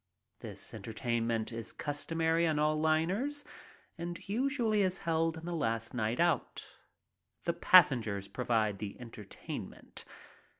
This entertainment is customary on all liners and usually is held on the last night out. The passengers provide the entertainment.